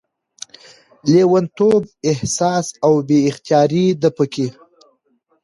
لېونتوب، احساسات او بې اختياري ده پکې